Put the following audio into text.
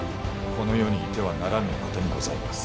この世にいてはならぬお方にございます。